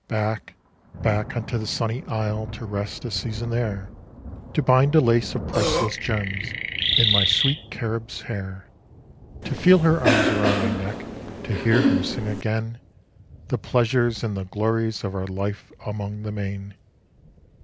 Back, back unto the sunny isle to rest a season there To bind a lace of priceless gems in my sweet Carib's hair, To feel her arms about my neck, to hear her sing again The pleasures and the glories of our life along the main.